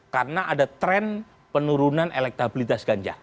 karena ada tren penurunan elektabilitas ganjar